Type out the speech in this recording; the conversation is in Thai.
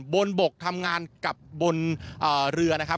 บนบกทำงานกับบนเรือนะครับ